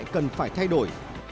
tồn tại cần phải thay đổi